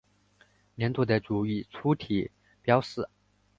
年度得主以粗体标示。